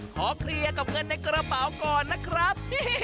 ขอเคลียร์กับเงินในกระเป๋าก่อนนะครับ